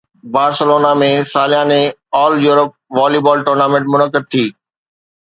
Barcelona ۾ سالياني all Europe volleyball tournament منعقد ٿي